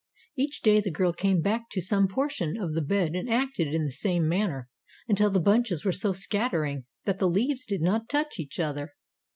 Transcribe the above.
"Each day the girl came back to some portion of the bed and acted in the same manner until the bunches were so scattering that the leaves did not touch each other.